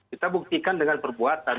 kita buktikan dengan perbuatan